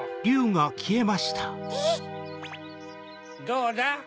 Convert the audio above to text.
どうだ？